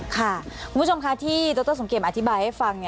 คุณผู้ชมค่ะที่ดรสมเกมอธิบายให้ฟัง